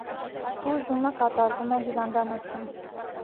Բուժումը կատարվում է հիվանդանոցում։